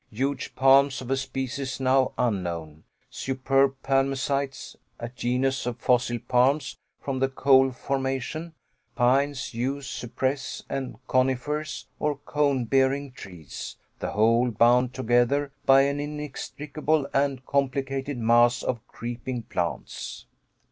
Huge palms, of a species now unknown, superb palmacites a genus of fossil palms from the coal formation pines, yews, cypress, and conifers or cone bearing trees, the whole bound together by an inextricable and complicated mass of creeping plants.